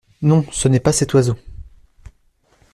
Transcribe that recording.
Non, ce n'est pas cet oiseau!